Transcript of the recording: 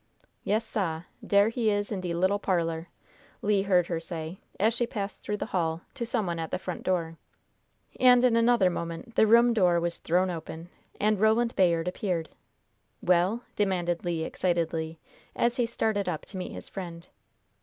"Yes, sah! Dere he is in de little parlor!" Le heard her say, as she passed through the hall, to some one at the front door. And in another moment the room door was thrown open, and Roland Bayard appeared. "Well?" demanded Le, excitedly, as he started up to meet his friend.